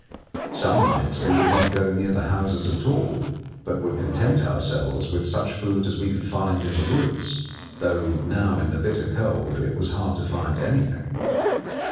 Some nights we would not go near the houses at all, but would content ourselves with such food as we could find in the woods, though now in the bitter cold it was hard to find anything.